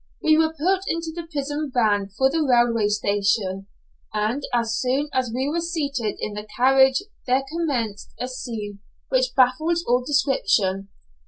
We were put into the prison van for the railway station; and as soon as we were seated in the carriage there commenced a scene which baffles all description.